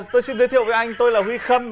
tôi xin giới thiệu với anh tôi là huy khâm